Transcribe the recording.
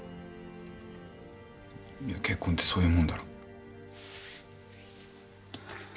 いや結婚ってそういうもんだろ。